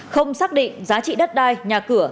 không xác định giá trị đất đai nhà cửa